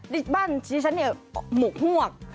นี่บ้านดิฉันเนี่ยหมวกฮวก